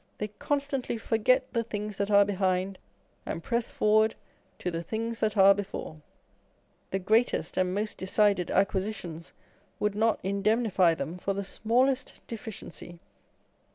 They constantly "forget the things that are behind, and press forward to the things that are before." The greatest and most decided acquisitions would not indemnify them for the smallest deficiency.